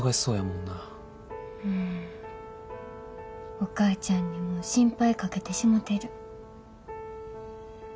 お母ちゃんにも心配かけてしもてる。